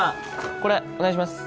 これお願いします